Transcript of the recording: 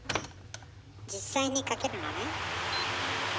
実際にかけるのね。